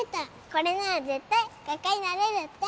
これなら絶対画家になれるって